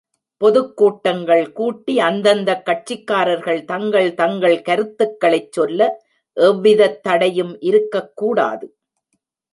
பொதுக் கூட்டங்கள் கூட்டி அந்தந்த கட்சிக்காரர்கள் தங்கள் தங்கள் கருத்துக்களைச் சொல்ல எவ்விதத் தடையும் இருக்கக் கூடாது.